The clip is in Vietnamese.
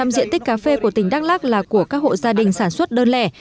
năm diện tích cà phê của tỉnh đắk lắc là của các hộ gia đình sản xuất đơn lẻ